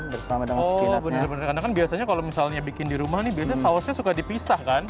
bersama dengan biasanya kalau misalnya bikin di rumah nih bisa sausnya suka dipisahkan